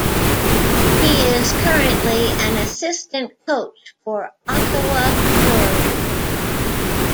He is currently an assistant coach for Ottawa Fury.